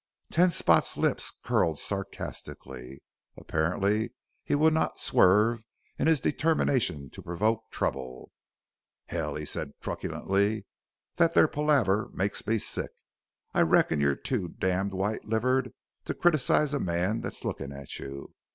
Ten Spot's lips curled sarcastically. Apparently he would not swerve in his determination to provoke trouble. "Hell," he said truculently, "that there palaver makes me sick. I reckon you're too damn white livered to criticize a man that's lookin' at you.